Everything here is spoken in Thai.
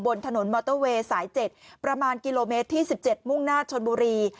บนถนนมอเตอร์เวย์สาย๗ประมาณกิโลเมตรที่๑๗มุ่งหน้าชนบุรี